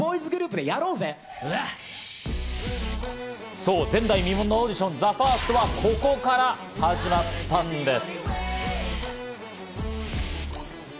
そう前代未聞のオーディション、ＴＨＥＦＩＲＳＴはここから始まったんです。